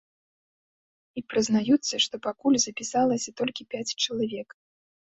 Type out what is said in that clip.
І прызнаюцца, што пакуль запісалася толькі пяць чалавек.